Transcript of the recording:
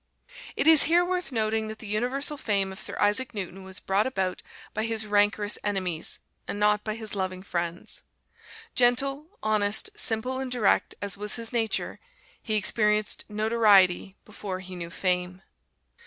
It is here worth noting that the universal fame of Sir Isaac Newton was brought about by his rancorous enemies, and not by his loving friends. Gentle, honest, simple and direct as was his nature, he experienced notoriety before he knew fame.